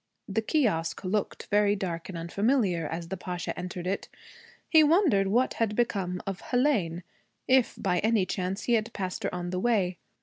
The kiosque looked very dark and unfamiliar as the Pasha entered it. He wondered what had become of Hélène if by any chance he had passed her on the way.